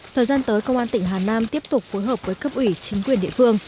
thời gian tới công an tỉnh hà nam tiếp tục phối hợp với cấp ủy chính quyền địa phương